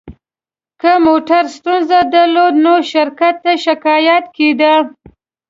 که موټر ستونزه درلوده، نو شرکت ته شکایت کېده.